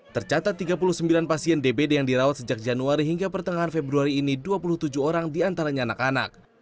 tercatat tiga puluh sembilan pasien dbd yang dirawat sejak januari hingga pertengahan februari ini dua puluh tujuh orang diantaranya anak anak